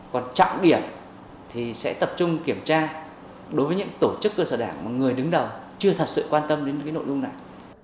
còn trọng điểm thì sẽ tập trung kiểm tra đối với những tổ chức cơ sở đảng mà người đứng đầu chưa thật sự quan tâm đến cái nội dung này